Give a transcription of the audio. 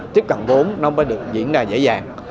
tiếp cận vốn nó mới được diễn ra dễ dàng